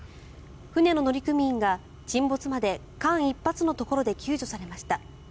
船の乗組員が沈没まで間一髪のところで救助されました。